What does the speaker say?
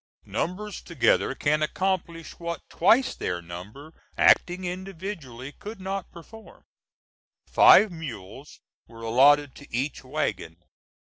Numbers together can accomplish what twice their number acting individually could not perform. Five mules were allotted to each wagon.